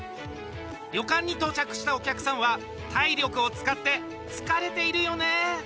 旅館に到着したお客さんは体力を使って疲れているよね。